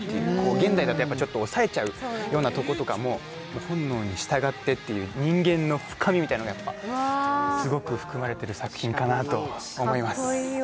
現代だと抑えちゃうようなこととかも本能に従ってという人間の深みみたいなのがすごく含まれている作品かなと思います。